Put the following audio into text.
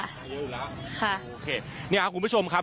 ได้เยอะอยู่แล้วค่ะโอเคนี่คุณผู้ชมครับ